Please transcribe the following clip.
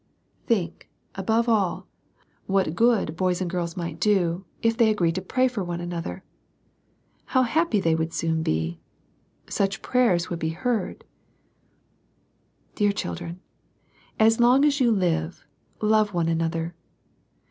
Think, above all, what good boys and gkls tai%bs. da^\^ ^^5^^^ i 54 SERMONS FOR CHILDREN. agree to pray for one another. How happy they would soon be ! Such prayers would be heard. Dear children, as long as you live, love one another.